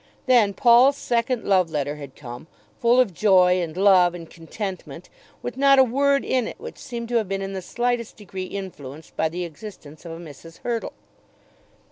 Then Paul's second love letter had come, full of joy, and love, and contentment, with not a word in it which seemed to have been in the slightest degree influenced by the existence of a Mrs. Hurtle.